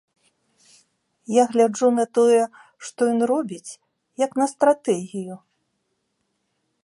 Я гляджу на тое, што ён робіць, як на стратэгію.